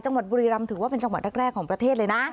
จังหวัดบุรีรัมน์ถือว่าเป็นจังหวัดแรกของประเทศเลยนะ